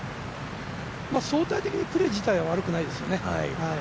相対的にプレー自体は悪くないですよね。